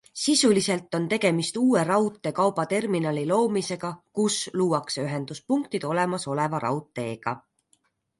Sisuliselt on tegemist uue raudtee kaubaterminali loomisega, kus luuakse ühenduspunktid olemasoleva raudteega.